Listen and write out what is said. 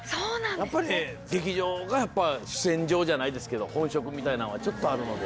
やっぱりね、劇場がやっぱ主戦場じゃないですけど、本職みたいなのはちょっとあるので。